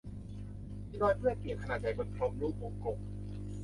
มีรอยเปื้อนเปียกขนาดใหญ่บนพรมรูปวงกลม